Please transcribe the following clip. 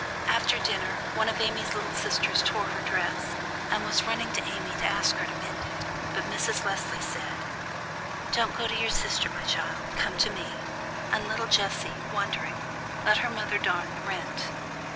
After dinner, one of Amy's little sisters tore her dress, and was running to Amy to ask her to mend it; but Mrs. Leslie said: "Don't go to your sister, my child, come to me;" and little Jessie, wondering, let her mother darn the rent.